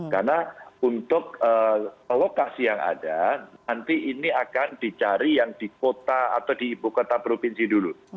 karena untuk lokasi yang ada nanti ini akan dicari yang di kota atau di ibu kota provinsi dulu